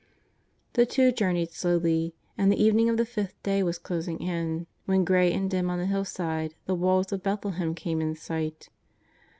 The two journeyed slowly, and the evening of the fifth day was closing in, when, grey and dim on the hill side, the walls of Bethhlehem came in sight.